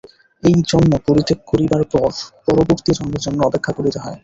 এই জন্ম পরিত্যাগ করিবার পর পরবর্তী জন্মের জন্য অপেক্ষা করিতে হয়।